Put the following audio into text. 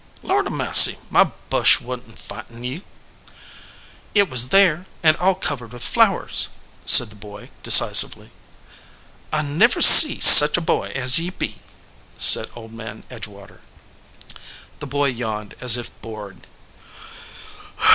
"Lord a massy, my bush wa n t fightin ye." "It was there, and all covered with flowers," said the boy, decisively. "I never see such a boy as ye be," said Old Man Edgewater. The boy yawned as if bored.